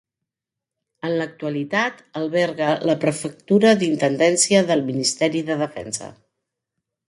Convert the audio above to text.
En l'actualitat alberga la Prefectura d'Intendència del Ministeri de Defensa.